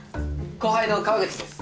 後輩の河口です。